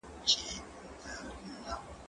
زه به سبا قلمان کار کړم!.